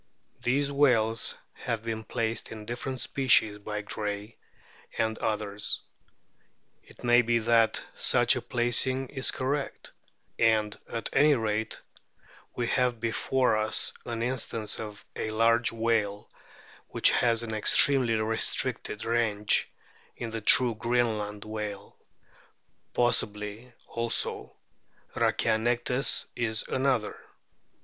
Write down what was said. These whales have been placed in different species by Gray and others. It may be that such a placing is correct ; and, at any rate, we have before us an instance of a large whale which has an extremely restricted range in the true Greenland whale ; possibly also Rhackianectes is another.